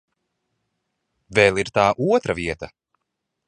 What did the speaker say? Vēl ir tā otra vieta.